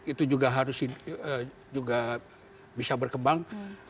itu juga harus bisa berkembang